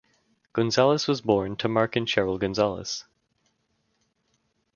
Gonzales was born to Mark and Cheryl Gonzales.